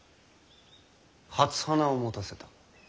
初花を持たせた。